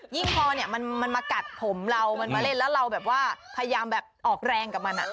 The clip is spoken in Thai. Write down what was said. ยิ่งพอมันมากัดผมเรามันมาเล่นแล้วเราพยายามออกแรงกับมัน